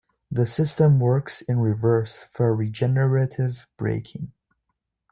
The system works in reverse for regenerative braking.